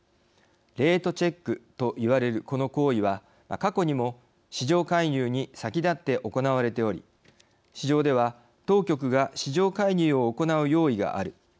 レートチェックといわれるこの行為は、過去にも市場介入に先立って行われており市場では当局が市場介入を行う用意がある。